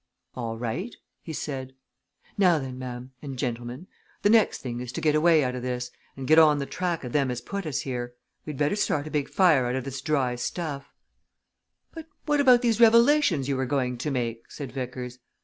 "All right," he said. "Now then, ma'am, and gentlemen, the next thing is to get away out o' this, and get on the track of them as put us here. We'd better start a big fire out o' this dry stuff " "But what about these revelations you were going to make?" said Vickers.